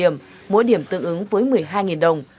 mỗi điểm tương ứng với một mươi hai đồng